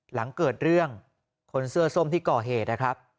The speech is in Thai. หลังเกิดเรื่องคนเสื้อส้มที่ก่อเหตุนะครับ